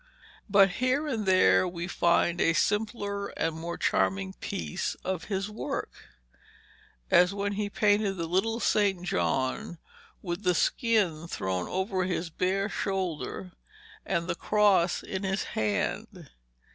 But here and there we find a simpler and more charming piece of his work, as when he painted the little St. John with the skin thrown over his bare shoulder and the cross in his hand.